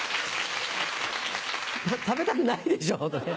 食べたくないでしょうそれ。